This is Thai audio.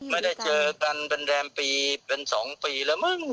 ไม่ได้เจอกันเป็นแรมปีเป็น๒ปีแล้วมั้ง